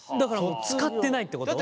使ってないってこと？